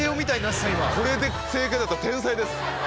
これで正解だったら天才です。